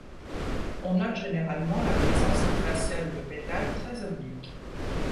On note généralement la présence d'un fasciole de pétale, très oblique.